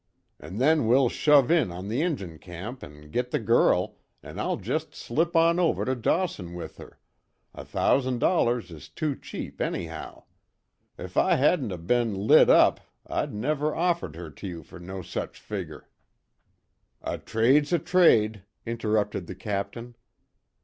An' then we'll shove on to the Injun camp an' git the girl, an' I'll jest slip on over to Dawson with her a thousan' dollars is too cheap, anyhow. If I hadn't of b'n lit up I'd never offered her to you fer no such figger." "A trade's a trade," interrupted the Captain.